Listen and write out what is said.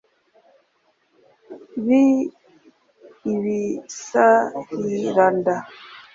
b’ibisahiranda …etc